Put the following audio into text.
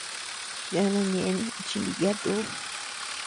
Yánaa ñeʼën chiniiyat uu.